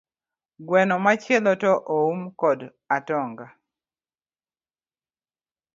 Gweno machielo to oum kod atonga